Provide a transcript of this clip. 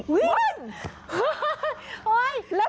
ไม่ได้ปลอดภัย